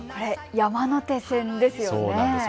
山手線ですよね。